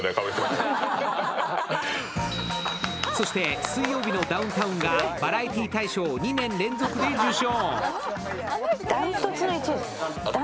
そして「水曜日のダウンタウン」がバラエティ大賞を２年連続で受賞。